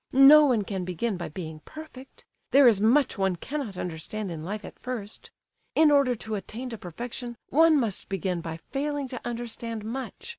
No one can begin by being perfect—there is much one cannot understand in life at first. In order to attain to perfection, one must begin by failing to understand much.